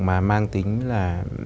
mà mang tính là